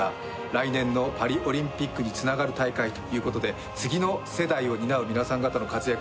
来年のパリオリンピックにつながる大会ということで次の世代を担う皆さん方の活躍